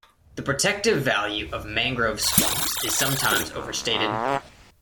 The protective value of mangrove swamps is sometimes overstated.